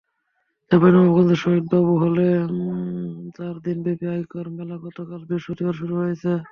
চাঁপাইনবাবগঞ্জের শহীদ সাবু হলে চার দিনব্যাপী আয়কর মেলা গতকাল বৃহস্পতিবার শুরু হয়েছে।